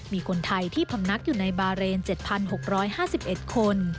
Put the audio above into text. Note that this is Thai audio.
มีคนไทยที่พำนักอยู่ในบาเรน๗๖๕๑คน